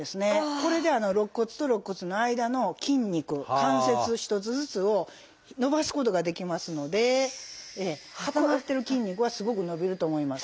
これで肋骨と肋骨の間の筋肉関節一つずつを伸ばすことができますので固まってる筋肉はすごく伸びると思います。